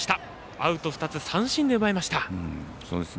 アウト２つを三振で奪いました。